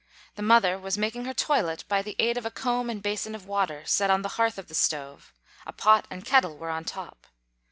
The mother was making her toilet by the aid of a comb and basin of water, set on the hearth of the stove ; a pot and kettle were on top.